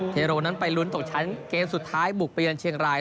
เทโรนั้นไปลุ้นตกชั้นเกมสุดท้ายบุกไปเยือนเชียงราย